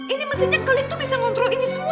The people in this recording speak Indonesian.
ini mestinya klik tuh bisa ngontrol ini semua